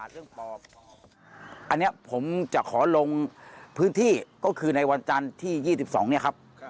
อันนี้ผมจะขอลงพื้นที่ก็คือในวันจันทร์ที่๒๒เนี่ยครับ